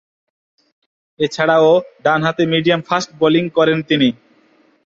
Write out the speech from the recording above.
এছাড়াও ডানহাতে medium fast bowling করেন তিনি।